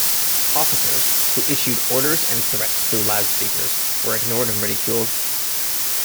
Officers, who issued orders and threats through loudspeakers, were ignored and ridiculed.